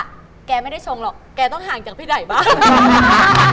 แกไม่ได้ชงหรอกแกต้องห่างจากพี่ไดบ้าง